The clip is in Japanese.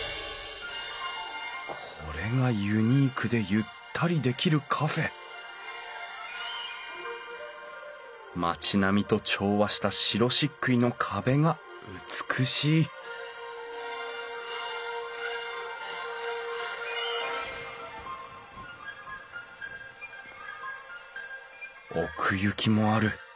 これがユニークでゆったりできるカフェ町並みと調和した白しっくいの壁が美しい奥行きもある。